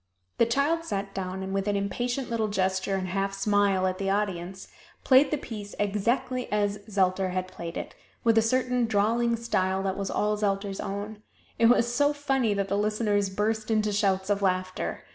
The child sat down, and with an impatient little gesture and half smile at the audience, played the piece exactly as Zelter had played it, with a certain drawling style that was all Zelter's own. It was so funny that the listeners burst into shouts of laughter.